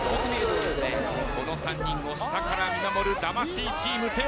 この３人を下から見守る魂チーム。